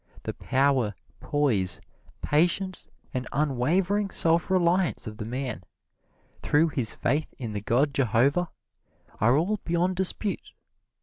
The power, poise, patience and unwavering self reliance of the man, through his faith in the god Jehovah, are all beyond dispute.